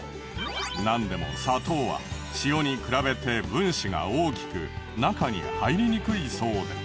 なんでも砂糖は塩に比べて分子が大きく中に入りにくいそうで。